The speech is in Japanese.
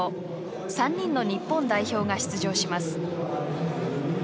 ３人の日本代表が出場します。